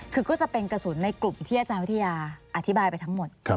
คือก็จะเป็นกระสุนในกลุ่มที่อาจารย์วิทยาอธิบายไปทั้งหมด